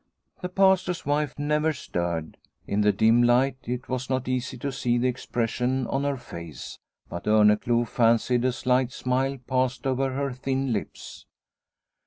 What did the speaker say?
The Pastor's wife never stirred. In the dim light, it was not easy to see the expression on her face, but Orneclou fancied a slight smile passed over her thin lips.